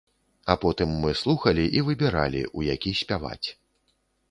А потым мы слухалі і выбіралі, у які спяваць.